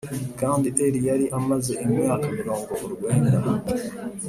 Kandi Eli yari amaze imyaka mirongo urwenda